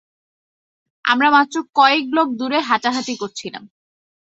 আমরা মাত্র কয়েক ব্লক দূরে হাঁটাহাঁটি করছিলাম।